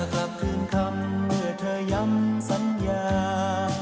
กลับถึงคำเมื่อเธอย้ำสัญญา